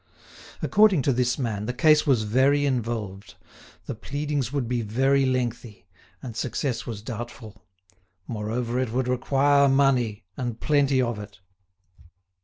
According to this man, the case was very involved, the pleadings would be very lengthy, and success was doubtful. Moreover, it would require money, and plenty of it.